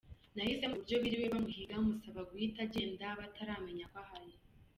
Nahise mubwira uburyo biriwe bamuhiga musaba guhita agenda bataramenya ko ahari.